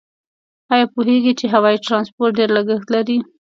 آیا پوهیږئ چې هوایي ترانسپورت ډېر لګښت لري؟